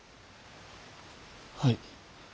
はい。